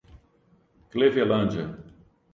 Clevelândia